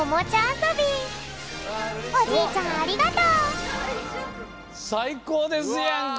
おじいちゃんありがとう！さいこうですやんか！